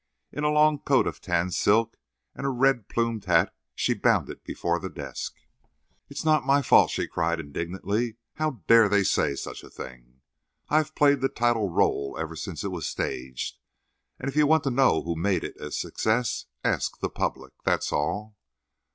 In a long coat of tan silk and a red plumed hat, she bounded before the desk. "It's not my fault," she cried indignantly. "How dare they say such a thing! I've played the title rôle ever since it was staged, and if you want to know who made it a success, ask the public—that's all."